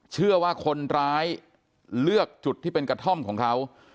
เชื่อว่าคนร้ายเลือกจุดที่เป็นกระท่อมของเขา